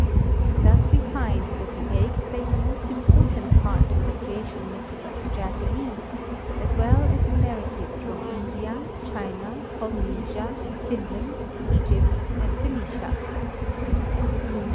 Thus we find that the egg plays a most important part in the creation myths of the Japa nese as well as in narratives from India, China, Polynesia, Finland, Egypt and Phenicia.